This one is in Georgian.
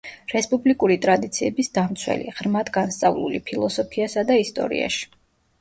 რესპუბლიკური ტრადიციების დამცველი; ღრმად განსწავლული ფილოსოფიასა და ისტორიაში.